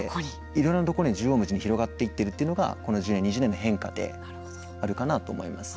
いろんなところに縦横無尽に広がっていってるというのがこの１０年、２０年の変化で分かるかなと思います。